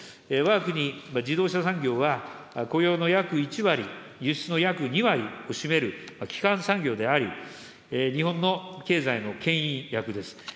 わが国自動車産業は、雇用の約１割、輸出の約２割を占める基幹産業であり、日本の経済のけん引役です。